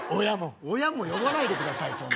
親も親も呼ばないでください